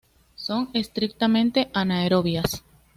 Son estrictamente anaerobias.